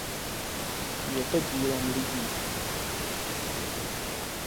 Je to dílem lidí.